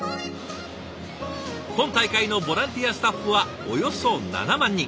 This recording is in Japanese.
今大会のボランティアスタッフはおよそ７万人。